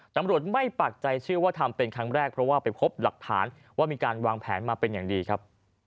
ตำรวจไม่ปักใจเชื่อว่าทำเป็นครั้งแรกเพราะว่าไปพบหลักฐานว่ามีการวางแผนมาเป็นอย่างดีครับ